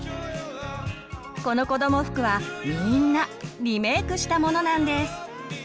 このこども服はみんなリメークしたものなんです。